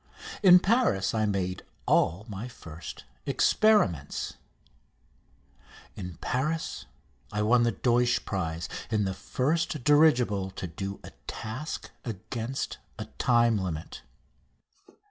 In Paris I made all my first experiments. In Paris I won the Deutsch prize in the first dirigible to do a task against a time limit.